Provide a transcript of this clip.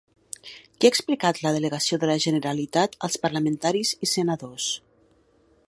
Què ha explicat la delegació de la Generalitat als parlamentaris i senadors?